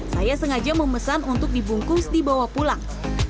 saya sengaja memesan untuk dibungkus dibawa pulang